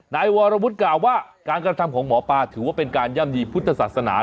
นายวรวุฒิกล่าวว่าการกระทำของหมอปลาถือว่าเป็นการย่ำยีพุทธศาสนา